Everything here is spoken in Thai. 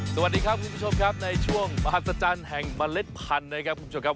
สวัสดีครับคุณผู้ชมครับในช่วงมหัศจรรย์แห่งเมล็ดพันธุ์นะครับคุณผู้ชมครับ